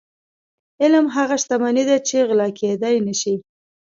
علم هغه شتمني ده چې غلا کیدی نشي.